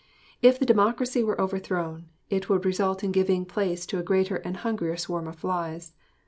If the Democracy were overthrown, it would result in giving place to a greater and hungrier swarm of flies.